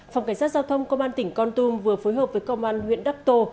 phòng cảnh sát giao thông công an tỉnh con tum vừa phối hợp với công an huyện đắc tô